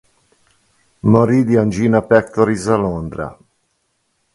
Morì di angina pectoris a Londra.